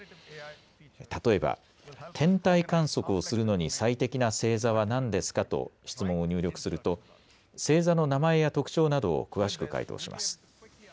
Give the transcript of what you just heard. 例えば、天体観測をするのに最適な星座は何ですかと質問を入力すると星座の名前や特徴などを詳しく回答します。